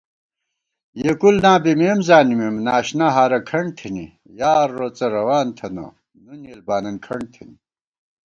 یېکُل نا بِمېم زانِمېم ناشنا ہارہ کھنٹ تھنی * یار روڅہ روان تھنہ نُن یېل بانن کھنٹ تھنی